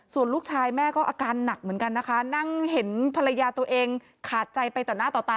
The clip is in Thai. ส่วนลูกชายแม่ก็อาการหนักเหมือนกันนะคะนั่งเห็นภรรยาตัวเองขาดใจไปต่อหน้าต่อตา